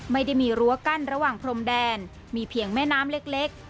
ไม่ได้มีรั้วกั้นระหว่างพรมแดนมีเพียงแม่น้ำเล็ก